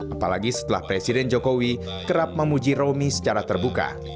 apalagi setelah presiden jokowi kerap memuji romi secara terbuka